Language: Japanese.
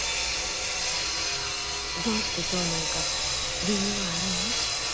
どうしてそうなんか理由はあるん？